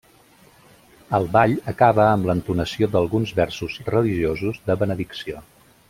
El ball acaba amb l'entonació d'alguns versos religiosos de benedicció.